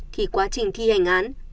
thì quá trình thi hành án